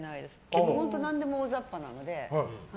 結構、なんでも大ざっぱなので。